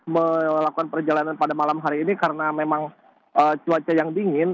melakukan perjalanan pada malam hari ini karena memang cuaca yang dingin